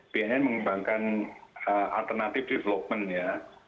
bnn mengembangkan alternatif development ya